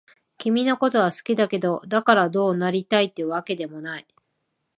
君のことは好きだけど、だからどうなりたいってわけでもない。